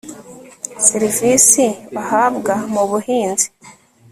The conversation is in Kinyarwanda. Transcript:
serivisi bahabwa mu buhinzi